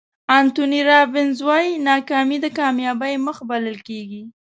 انتوني رابینز وایي ناکامي د کامیابۍ مخ بلل کېږي.